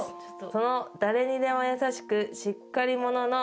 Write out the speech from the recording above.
「その誰にでも優しくしっかりものの」